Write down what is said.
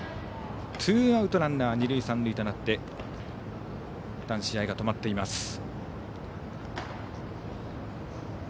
ツーアウトランナー、二塁三塁となっていったん試合が止まっています。